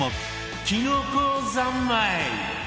きのこ三昧！